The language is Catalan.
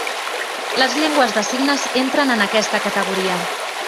Les llengües de signes entren en aquesta categoria.